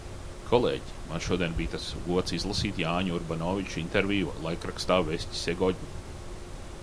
"Kolēģi, man šodien bija tas gods izlasīt Jāņa Urbanoviča interviju laikrakstā "Vesti Segodņa"."